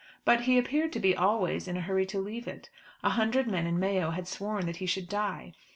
But he appeared to be always in a hurry to leave it. A hundred men in Mayo had sworn that he should die.